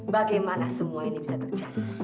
bagaimana semua ini bisa terjadi